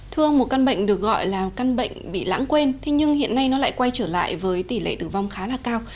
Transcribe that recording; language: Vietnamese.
thưa ông một căn bệnh được gọi là căn bệnh bị lãng quên thế nhưng hiện nay nó lại quay trở lại với tỷ lệ tử vong khá là cao